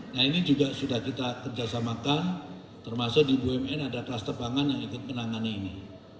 nah ini juga sudah kita kerjasamakan termasuk di bumn ada kluster pangan yang ikut menangani ini